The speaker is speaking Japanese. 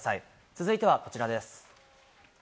続いてはこちらです。